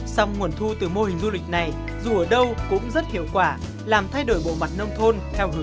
song nguồn thu từ mô hình du lịch này dù ở đâu cũng rất hiệu quả làm thay đổi bộ mặt nông thôn